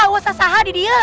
usah sahadid ya